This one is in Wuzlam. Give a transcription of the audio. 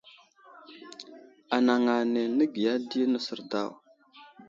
Anaŋ ane nəgiya di nəsər daw.